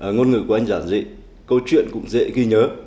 ngôn ngữ của anh giản dị câu chuyện cũng dễ ghi nhớ